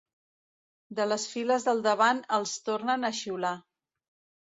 De les files del davant els tornen a xiular.